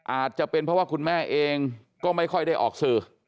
อาจจะเป็นเพราะว่าคุณแม่เองก็ไม่ค่อยได้ออกสื่อ